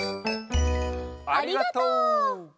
ありがとう。